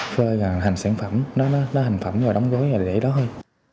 phơi là hành sản phẩm nó hành phẩm rồi đóng gối là để đó thôi